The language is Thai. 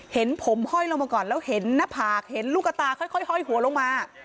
เห็นผมห้อยลงมาก่อนแล้วเห็นหน้าผากเห็นลูกตาค่อยห้อยหัวลงมา